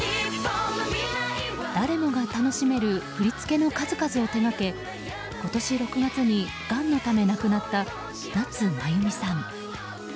誰もが楽しめる振り付けの数々を手掛け今年６月にがんのため亡くなった夏まゆみさん。